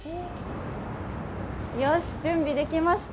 準備できました。